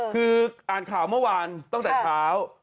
คืออ่านข่าวเมื่อวานตั้งแต่เช้า